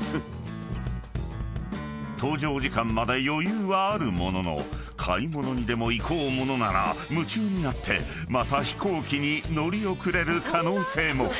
［搭乗時間まで余裕はあるものの買い物にでも行こうものなら夢中になってまた飛行機に乗り遅れる可能性も］